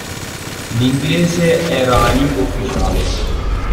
L'inglese era la lingua ufficiale.